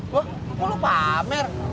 wah kok lo pamer